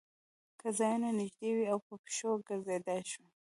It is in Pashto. که ځایونه نږدې وي او په پښو ګرځېدای شو.